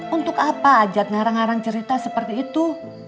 untuk apa ajat ngarang ngarang cerita seperti itu